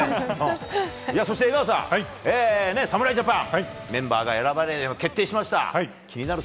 そして江川さん、侍ジャパンメンバーが決定しました。